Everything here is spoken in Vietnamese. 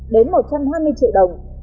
đến một triệu đồng